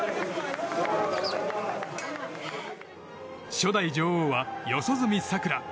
初代王者は四十住さくら。